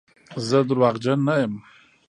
زه درواغجن نه یم.